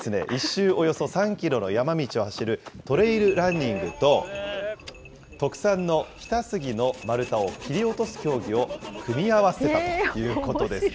１周およそ３キロの山道を走るトレイルランニングと、特産の日田杉の丸太を切り落とす競技を組み合わせたということです。